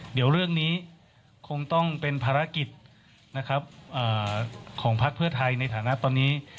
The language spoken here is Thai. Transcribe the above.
เดี๋ยวเรื่องนี้ต้องเป็นภารกิจของพระเภือไทยในถามความตอนนี้